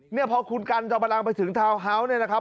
เนี่ยพอคุณกันจอมพลังไปถึงทาวน์ฮาส์เนี่ยนะครับ